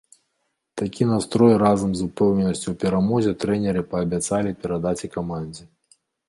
Такі настрой разам з упэўненасцю ў перамозе трэнеры паабяцалі перадаць і камандзе.